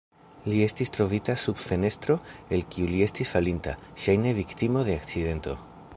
Li estis trovita sub fenestro el kiu li estus falinta, ŝajne viktimo de akcidento.